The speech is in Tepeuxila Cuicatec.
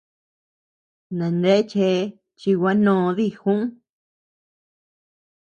Naneachea chi gua noo dijú.